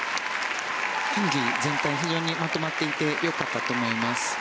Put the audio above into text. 演技全体非常にまとまっていてよかったと思います。